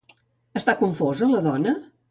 Està confosa la dona?